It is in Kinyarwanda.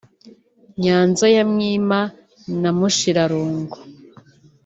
Nyanza ya Mwima na Mushirarungu